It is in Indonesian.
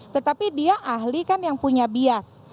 tetapi dia ahli kan yang punya bias